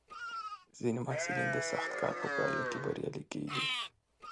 ځینې محصلین د سخت کار په پایله کې بریالي کېږي.